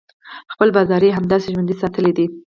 خپل بازار یې هماغسې ژوندی ساتلی دی.